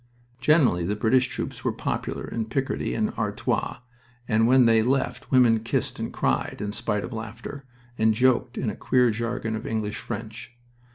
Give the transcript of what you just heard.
Generally the British troops were popular in Picardy and Artois, and when they left women kissed and cried, in spite of laughter, and joked in a queer jargon of English French.